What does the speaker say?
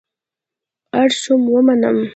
اړ شوم ومنم.